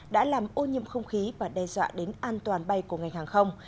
đã làm ô nhiễm không khí và đe dọa đến an toàn bay của ngành hàng không